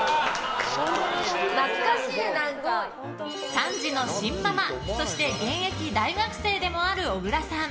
３児のシンママ、そして現役大学生でもある小倉さん。